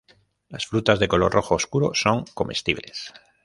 Las frutas de color rojo oscuro son comestibles.